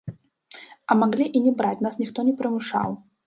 А маглі і не браць, нас ніхто не прымушаў.